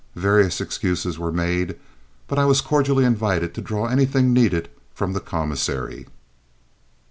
Various excuses were made, but I was cordially invited to draw anything needed from the commissary.